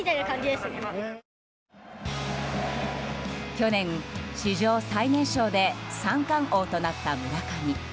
去年、史上最年少で三冠王となった村上。